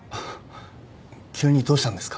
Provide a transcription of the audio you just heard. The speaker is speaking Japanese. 急にどうしたんですか？